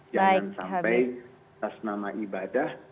jangan sampai atas nama ibadah